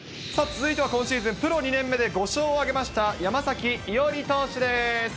続いては今シーズン、プロ２年目で、５勝を挙げました、山崎伊織投手です。